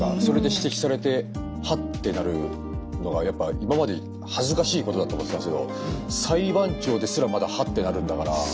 それで指摘されてハッてなるのがやっぱ今まで恥ずかしいことだと思ってたんですけど裁判長ですらまだハッてなるんだから。